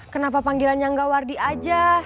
kenapa panggilannya enggak wardi aja